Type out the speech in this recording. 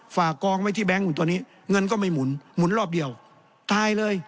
ฝากกองไว้ที่แบงค์ตัวนี้เงินก็ไม่หมุนหมุนรอบเดียวตายเลย